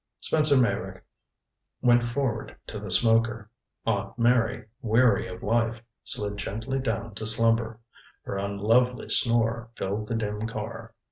Spencer Meyrick went forward to the smoker. Aunt Mary, weary of life, slid gently down to slumber. Her unlovely snore filled the dim car.